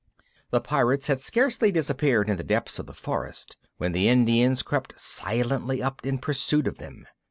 The Pirates had scarcely disappeared in the depths of the forest when the Indians crept silently up in pursuit of them.